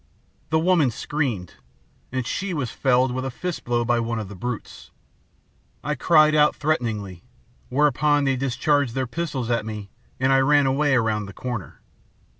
The woman screamed, and she was felled with a fist blow by one of the brutes. I cried out threateningly, whereupon they discharged their pistols at me and I ran away around the corner.